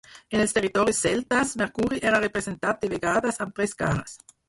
En els territoris celtes, Mercuri era representat de vegades amb tres cares.